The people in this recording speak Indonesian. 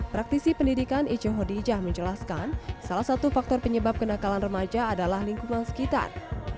praktisi pendidikan icu hodijah menjelaskan salah satu faktor penyebab kenakalan remaja adalah lingkungan sekitar